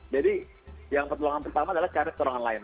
jadi yang pertama adalah cari pertolongan lain